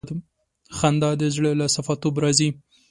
خندا د زړه له صفا توب راځي.